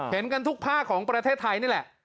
เห็นกันทุกภาคของประเทศไทยนี่แหละ